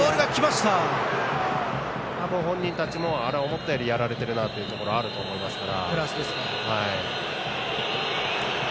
本人たちも、思ったよりやられているなというところはあると思いますから。